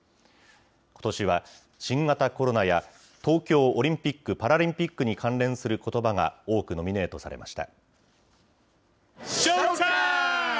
ことしは新型コロナや、東京オリンピック・パラリンピックに関連することばが多くノミネートされました。